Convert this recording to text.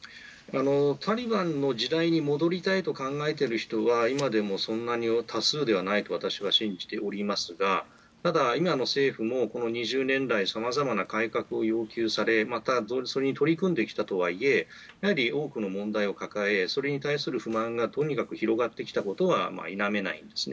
タリバンの時代に戻りたいと考えている人は今でもそんなに多数ではないと私は信じておりますがただ、今の政府もこの２０年来さまざまな改革を要求されまたそれに取り組んできたとはいえやはり多くの問題を抱えそれに対する不満がとにかく広がってきたことは否めないんですね。